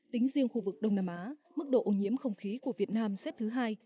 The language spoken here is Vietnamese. tính riêng khu vực đông nam á mức độ ô nhiễm không khí của việt nam xếp thứ hai